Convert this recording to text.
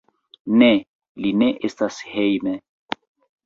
Ne, li ne estas hejme.